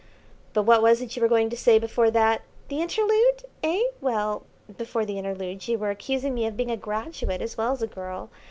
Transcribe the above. "But what was it you were going to say before that " "The interlude, eh? Well, before the interlude you were accusing me of being a graduate as well as a girl.